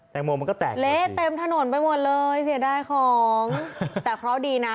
แตงโมมันก็แตกเละเต็มถนนไปหมดเลยเสียดายของแต่เคราะห์ดีนะ